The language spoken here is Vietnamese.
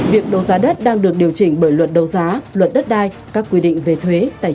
việc đấu giá đất đang được điều chỉnh bởi luật đấu giá luật đất đai các quy định